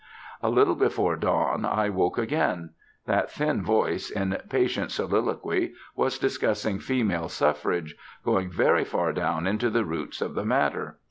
A little before dawn I woke again. That thin voice, in patient soliloquy, was discussing Female Suffrage, going very far down into the roots of the matter.